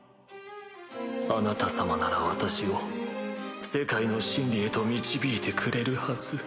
あなた様なら私を世界の真理へと導いてくれるはず。